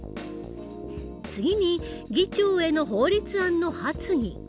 次に議長への法律案の発議。